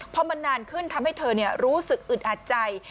พอมันนานขึ้นทำให้เธอรู้สึกอึดอัดใจ